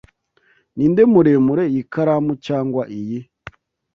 Ninde muremure, iyi karamu cyangwa iyi?